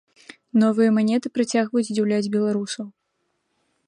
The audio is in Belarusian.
Новыя манеты працягваюць здзіўляць беларусаў.